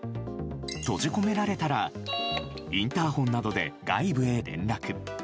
閉じ込められたらインターホンなどで外部へ連絡。